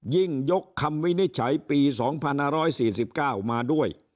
ยิ่งยกคำวินิจฉัยปีสองพันร้อยสี่สิบเก้ามาด้วย